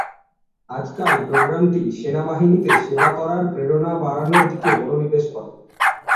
আজকাল, প্রোগ্রামটি সেনাবাহিনীতে সেবা করার প্রেরণা বাড়ানোর দিকে মনোনিবেশ করে।